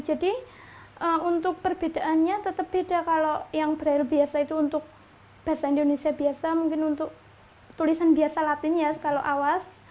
jadi untuk perbedaannya tetap beda kalau yang braille biasa itu untuk bahasa indonesia biasa mungkin untuk tulisan biasa latin ya kalau awas